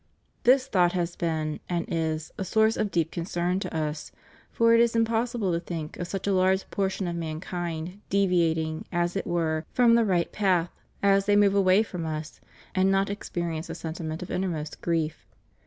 This thought has been, and is, a source of deep concern to Us ; for it is impossible to think of such a large portion of mankind deviating, as it were, from the right path, as they move away from Us, and not experience a sentiment of innermost grief.